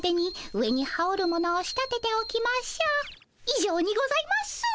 いじょうにございます。